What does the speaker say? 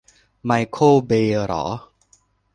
ไมเคิล เบย์เหรอ